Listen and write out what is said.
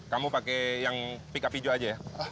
kamu pakai yang pickup hijau aja ya